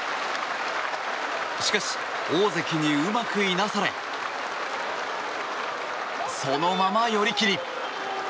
しかし、大関にうまくいなされそのまま寄り切り。